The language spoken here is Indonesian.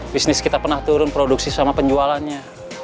bisnis kita pernah turun produksi sama penjualannya